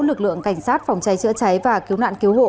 lực lượng cảnh sát phòng cháy chữa cháy và cứu nạn cứu hộ